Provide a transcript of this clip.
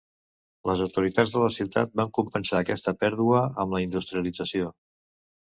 Les autoritats de la ciutat van compensar aquesta pèrdua amb la industrialització.